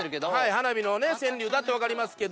花火の川柳だと分かりますけど。